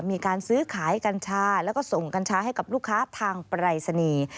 มีการซื้อขายกัญชาแล้วก็ส่งกัญชาให้กับลูกค้าทางปรายศนีย์